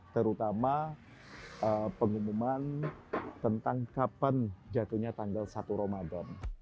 terutama pengumuman tentang kapan jatuhnya tanggal satu ramadan